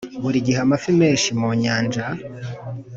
buri gihe amafi menshi mu nyanja